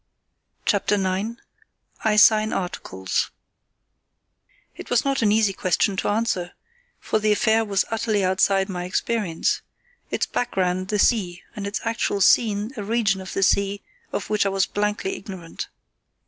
CHAPTER IX. I Sign Articles It was not an easy question to answer, for the affair was utterly outside all my experience; its background the sea, and its actual scene a region of the sea of which I was blankly ignorant.